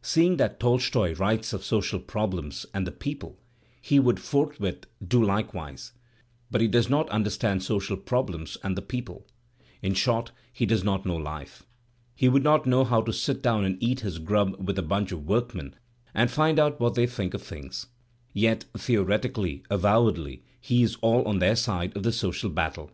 Seeing that Tolstoy writes of social problems and the people, he would forthwith do likewise, but he does not un ^ derstand social problems and the people. In short, he does ^ not know life. He would not know how to sit down and eat his grub with a bunch of workmen and find out what they think of things. Yet, theoretically, avowedly, he is all on their side of the social battle.